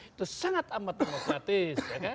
itu sangat amat demokratis